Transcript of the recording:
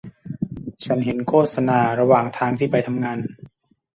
ฉันเห็นโฆษณาระหว่างทางที่ไปทำงาน